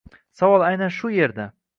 Savol aynan shu erda